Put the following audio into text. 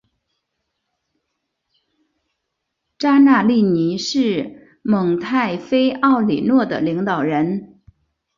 扎纳利尼是蒙泰菲奥里诺的领导人。